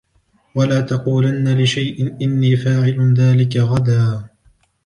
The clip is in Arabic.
ولا تقولن لشيء إني فاعل ذلك غدا